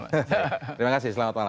terima kasih selamat malam